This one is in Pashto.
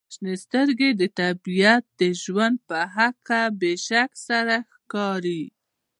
• شنې سترګې د طبیعت د ژوند په هکله بې شک سره ښکاري.